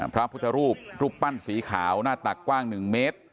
พระพุทธรูปรูปปั้นสีขาวหน้าตักกว้าง๑เมตร